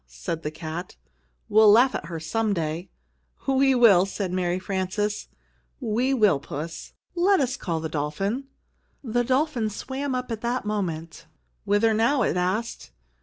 said the cat. "We'll laugh at her some day!" "We will!" said Mary Frances, "we will, Puss! Let us call the dolphin." The dolphin swam up at that moment. "Whither now?" it asked.